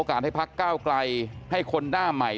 การให้พักก้าวไกลให้คนหน้าใหม่